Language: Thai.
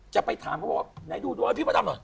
จะไปถามเขาบอกว่าไหนดูด้วยพี่มดดำหน่อย